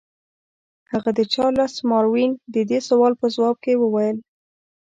هغه د چارلس ماروین د دې سوال په ځواب کې وویل.